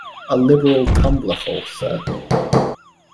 A liberal tumblerful, sir.